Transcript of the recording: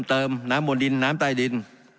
การปรับปรุงทางพื้นฐานสนามบิน